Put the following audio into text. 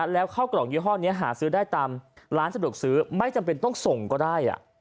แล้วข้าวกล่องยี่ห้อนี้หาซื้อได้ตามร้านสะดวกซื้อไม่จำเป็นต้องส่งก็ได้